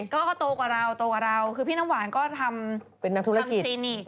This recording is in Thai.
ก็โตกว่าเราคือพี่น้ำวานก็ทำคลินิก